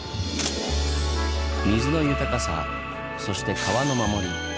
水の豊かさそして川の守り。